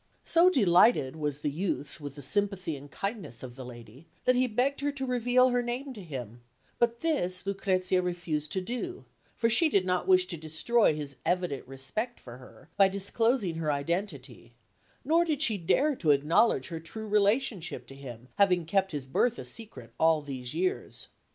So delighted was the youth with the sympathy and kindness of the lady, that he begged her to reveal her name to him; but this Lucrezia refused to do, for she did not wish to destroy his evident respect for her by disclosing her identity, nor did she dare to acknowledge her true relationship to him, having kept his birth a secret all these years.